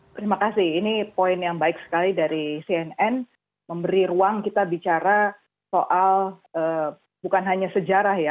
terima kasih ini poin yang baik sekali dari cnn memberi ruang kita bicara soal bukan hanya sejarah ya